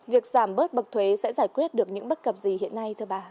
việc giảm bớt bậc thuế sẽ giải quyết được những bất cập gì hiện nay thưa bà